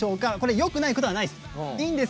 よくないことはないです。